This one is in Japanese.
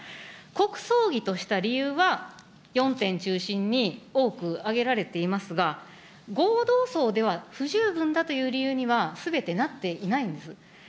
国葬儀とした理由は、４点中心に多く挙げられていますが、合同葬では不十分だという理由には、すべてなっていないんです。